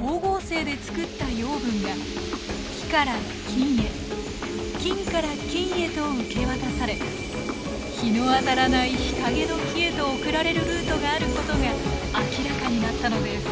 光合成で作った養分が木から菌へ菌から菌へと受け渡され日の当たらない日陰の木へと送られるルートがあることが明らかになったのです。